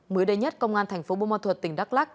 mới đây nhất công an tp bô ma thuật tỉnh đắk